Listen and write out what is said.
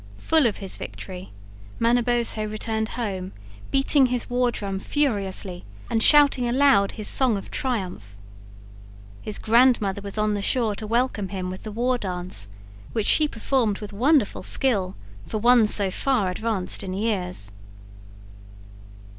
Full of his victory, Manabozho returned home, beating his war drum furiously and shouting aloud his song of triumph. His grandmother was on the shore to welcome him with the war dance, which she performed with wonderful skill for one so far advanced in years.